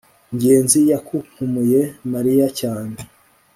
ngenzi yakunkumuye mariya cyane